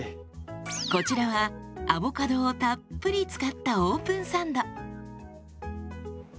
こちらはアボカドをたっぷり使ったオープンサンド。